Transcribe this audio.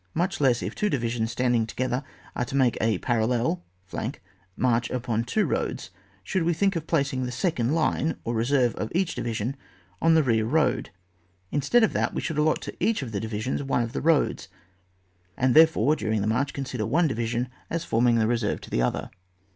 Much less if two divisions, standing together, are to make a parallel (flank) march upon two roads should we think of placing the second line or re serve of each division on the rear road ; instead of that, we should allot to each of the divisions one of the roads, and therefore during the march consider one division as forming the reserve to the VOL. II. other.